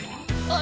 あ！